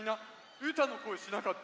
うーたんのこえしなかった？